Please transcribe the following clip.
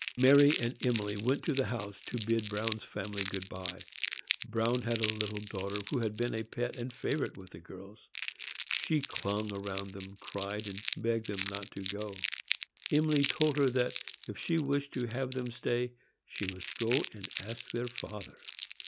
Mary and Emily went to the house to bid Bruin's family good by. Bruin had a little daughter who had been a pet and favorite with the girls. She clung round them, cried, and begged them not to go. Emily told her that, if she wished to have them stay, she must go and ask her father.